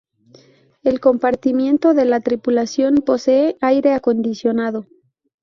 El compartimiento de la tripulación posee aire acondicionado.